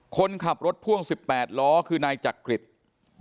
คนขับรถพ่วง๑๘ล้อคือนายจักริต